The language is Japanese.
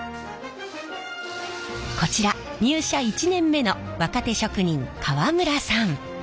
こちら入社１年目の若手職人川村さん。